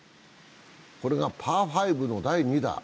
これがパー５の第２打。